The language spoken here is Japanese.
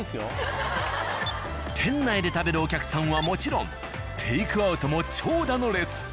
店内で食べるお客さんはもちろんテイクアウトも長蛇の列。